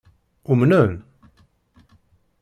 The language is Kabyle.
Umnen?